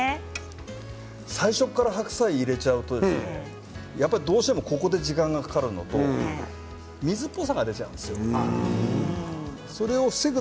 最初から白菜を入れるとどうしてもここで時間がかかるのと水っぽさが出ちゃうんですよ。